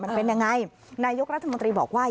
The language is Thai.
มันเป็นยังไงนายกรัฐมนตรีบอกว่า